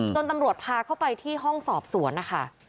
ตำรวจพาเข้าไปที่ห้องสอบสวนนะคะ